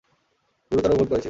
গুরুতর ভুল করেছি।